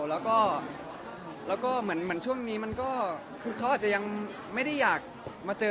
แล้วก็เหมือนช่วงนี้มันก็คือเขาอาจจะยังไม่ได้อยากมาเจอ